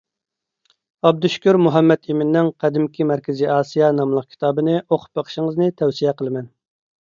ئابدۇشۈكۈر مۇھەممەتئىمىننىڭ «قەدىمكى مەركىزىي ئاسىيا» ناملىق كىتابىنى ئوقۇپ بېقىشىڭىزنى تەۋسىيە قىلىمەن.